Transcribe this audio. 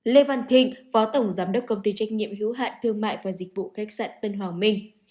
lê văn kinh phó tổng giám đốc công ty trách nhiệm hiếu hạn thương mại và dịch vụ khách sạn tân hoàng minh